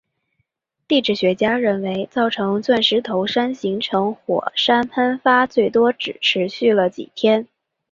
地质学家认为造成钻石头山形成的火山喷发最多只持续了几天。